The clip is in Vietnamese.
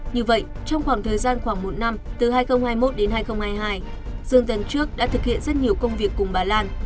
như vậy trong khoảng thời gian khoảng một năm từ hai nghìn hai mươi một đến hai nghìn hai mươi hai dương dân trước đã thực hiện rất nhiều công việc cùng bà lan